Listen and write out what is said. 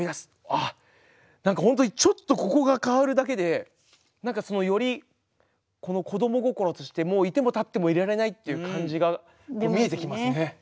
あっ何か本当にちょっとここが変わるだけで何かより子ども心としてもういてもたってもいられないっていう感じが見えてきますね。